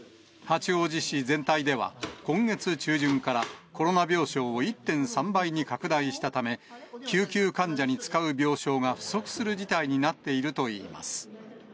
八王子市全体では、今月中旬からコロナ病床を１．３倍に拡大したため、救急患者に使う病床が不足する事態になっているといいます。